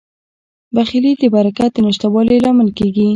بخیلي د برکت د نشتوالي لامل کیږي.